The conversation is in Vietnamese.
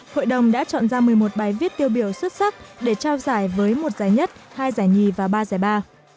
hội đồng đã chọn ra một mươi một bài viết tiêu biểu xuất sắc để trao giải với một giải nhất hai giải nhì và ba giải ba